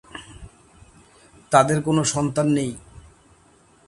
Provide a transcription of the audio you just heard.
তাদের কোন সন্তান নেই।